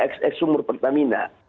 x sumur pertamina